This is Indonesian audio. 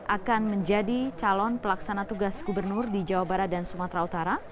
akan menjadi calon pelaksana tugas gubernur di jawa barat dan sumatera utara